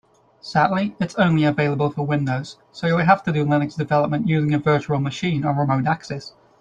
Sadly, it's only available for Windows, so you'll have to do Linux development using a virtual machine or remote access.